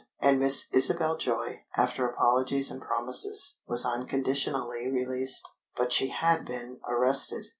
And Miss Isabel Joy, after apologies and promises, was unconditionally released. But she had been arrested.